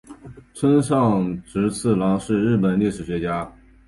村上直次郎是日本历史学家。